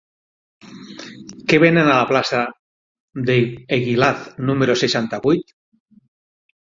Què venen a la plaça d'Eguilaz número seixanta-vuit?